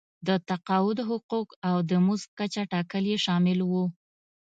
د تقاعد حقوق او د مزد کچه ټاکل یې شامل وو.